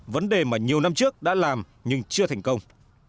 vấn đề mà nhiều năm trước đã làm nhưng chưa thành công